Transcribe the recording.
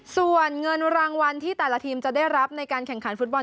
ส่วนเงินรางวัลที่แต่ละทีมจะได้รับในการแข่งขันฟุตบอล